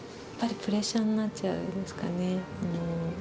やはりプレッシャーになっちゃうからですかね。